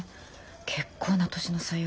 結構な年の差よ。